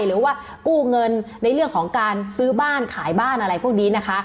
หรือว่ากู้เงินในเรื่องของการซื้อบ้านขายบ้านอะไรพวกนี้นะคะ